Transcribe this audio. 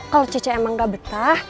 kalau cucai emang nggak betah